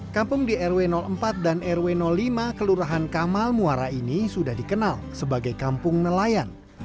kampung di rw empat dan rw lima kelurahan kamal muara ini sudah dikenal sebagai kampung nelayan